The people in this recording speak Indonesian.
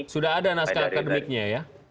sudah ada naskah akademiknya ya